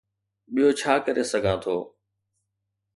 ٻيو ڇا ڪري سگهان ٿو؟